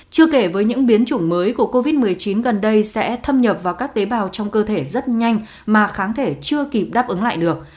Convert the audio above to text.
chưa kể với những biến chủng mới của covid một mươi chín gần đây sẽ thâm nhập vào các tế bào trong cơ thể rất nhanh mà kháng thể chưa kịp đáp ứng lại được